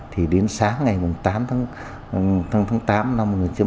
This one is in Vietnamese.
thì đến sáng ngày tám tháng tám năm một nghìn chín trăm bảy mươi